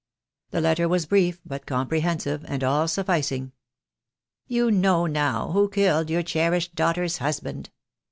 The letter was brief but comprehensive, and all sufficing. "You know now who killed your cherished daughter's husband.